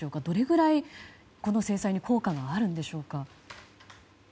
どれぐらい、この制裁に効果があるんでしょうか。